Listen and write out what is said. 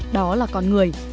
đó là con người